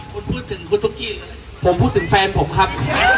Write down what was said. ผมพูดถึงแฟนผมครับ